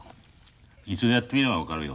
一度やってみれば分かるよ。